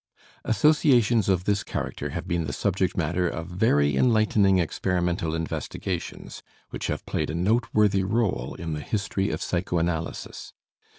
Associations of this character have been the subject matter of very enlightening experimental investigations, which have played a noteworthy role in the history of psychoanalysis.